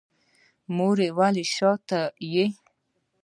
موږ ولې شاته یو